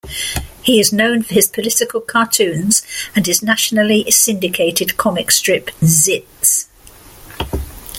He is known for his political cartoons and his nationally syndicated comic strip "Zits".